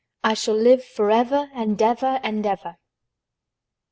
"I SHALL LIVE FOREVER—AND EVER—AND EVER!"